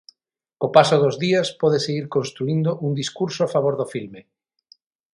Co paso dos días pódese ir construído un discurso a favor do filme.